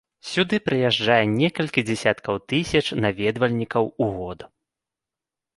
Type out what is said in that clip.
Сюды прыязджае некалькі дзясяткаў тысяч наведвальнікаў у год.